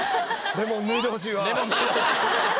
レモン脱いでほしい。